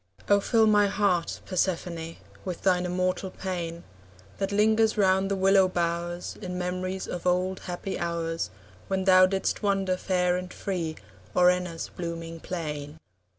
Oh, fill my heart, Persephone, With thine immortal pain, That lingers round the willow bowers In memories of old happy hours, When thou didst wander fair and free O'er Enna's blooming plain.